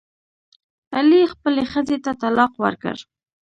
علي خپلې ښځې ته طلاق ورکړ.